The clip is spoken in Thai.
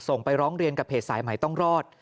ไปร้องเรียนกับเพจสายใหม่ต้องรอด